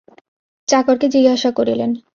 চাকরকে জিজ্ঞাসা করিলেন।